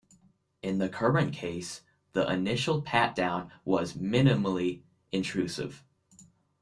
In the current case, the initial pat-down was minimally intrusive.